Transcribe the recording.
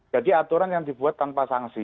jadi aturan yang dibuat tanpa sanksi